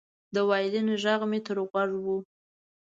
د وایلن غږ مې تر غوږ و